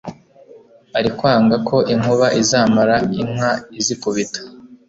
Ari kwanga ko inkuba izamara inka izikubita